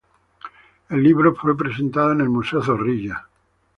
El libro fue presentado en el Museo Zorrilla.